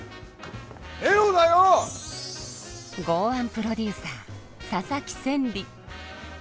豪腕プロデューサー佐々木千里。